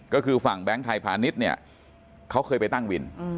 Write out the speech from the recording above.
ก็คือฝั่งแบงค์ไทยพาณิชย์เนี่ยเขาเคยไปตั้งวิน